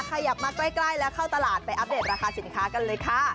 ขยับมาใกล้แล้วเข้าตลาดไปอัปเดตราคาสินค้ากันเลยค่ะ